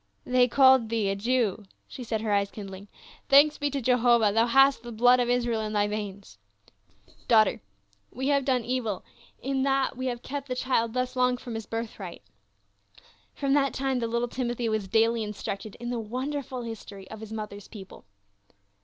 "They called thee a Jew !" she said, her eyes kind ling. "Thanks be to Jehovah, thou hast the blood of Israel in thy veins ! Daughter, we have done evil in that we have kept the child thus long from his birthright." From that time the little Timothy was daily in structed in the wonderful history of his mother's people.